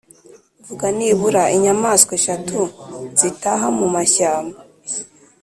vuga nibura inyamaswa eshatu zitaha mu mashyamba’